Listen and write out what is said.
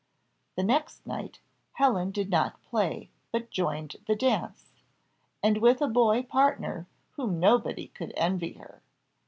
The next night, Helen did not play, but joined the dance, and with a boy partner, whom nobody could envy her.